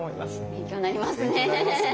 勉強になりますね。